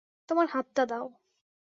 তোমার হাতটা দাও।